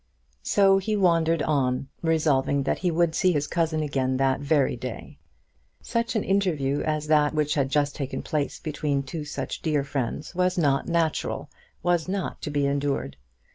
So he wandered on, resolving that he would see his cousin again that very day. Such an interview as that which had just taken place between two such dear friends was not natural, was not to be endured.